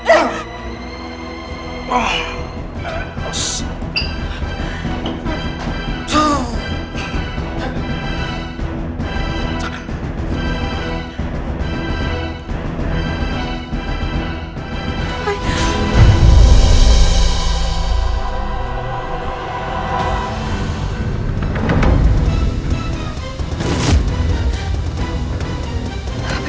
apa jadi ini